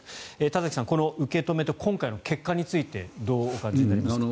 田崎さんこの受け止めと今回の結果についてどうお感じになりますか。